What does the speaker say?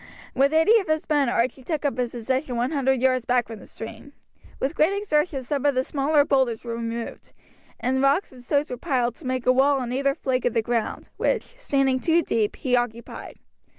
With eighty of his men Archie took up a position one hundred yards back from the stream. With great exertions some of the smaller boulders were removed, and rocks and stones were piled to make a wall on either flank of the ground, which, standing two deep, he occupied.